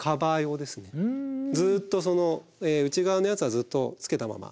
ずっとその内側のやつはずっとつけたまま。